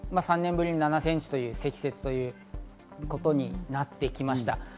３年ぶりに７ｃｍという積雪ということになってきました。